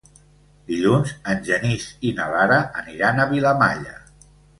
Dilluns en Genís i na Lara aniran a Vilamalla.